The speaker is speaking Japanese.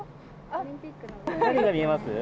何が見えますか？